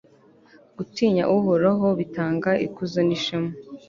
gutinya uhoraho bitanga ikuzo n'ishema